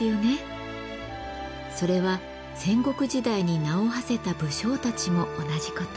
それは戦国時代に名をはせた武将たちも同じこと。